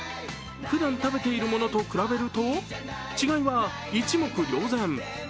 ふだん食べているものと比べると違いは一目瞭然。